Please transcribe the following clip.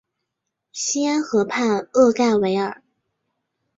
西安河畔厄盖维尔。